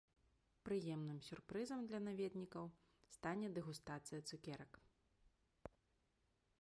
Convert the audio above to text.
Прыемным сюрпрызам для наведнікаў стане дэгустацыя цукерак.